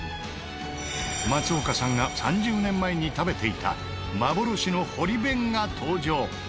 松岡さんが３０年前に食べていた幻の堀弁が登場！